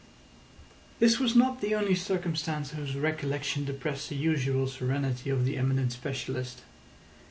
This was not the only circumstance whose recollection depressed the usual serenity of the eminent specialist.